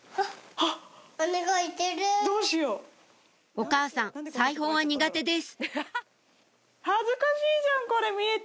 お母さん裁縫は苦手です